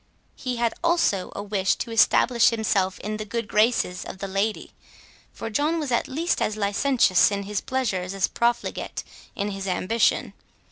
He had also a wish to establish himself in the good graces of the lady; for John was at least as licentious in his pleasures as profligate in his ambition.